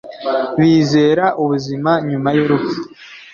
Bizera ubuzima nyuma y'urupfu.